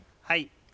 はい。